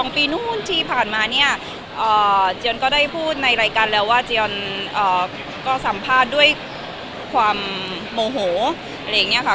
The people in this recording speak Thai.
ปีนู้นที่ผ่านมาเนี่ยเจียนก็ได้พูดในรายการแล้วว่าเจียนก็สัมภาษณ์ด้วยความโมโหอะไรอย่างนี้ค่ะ